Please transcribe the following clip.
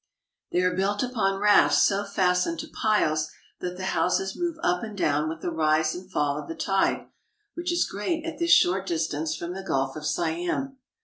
They are built upon rafts, so fastened to piles that the houses move up and down with the rise and fall of the tide, which is great at this short distance from the Gulf of Siam.